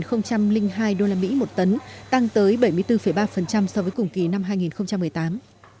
một trăm linh hai usd một tấn tăng tới bảy mươi bốn ba so với cùng kỳ năm hai nghìn một mươi tám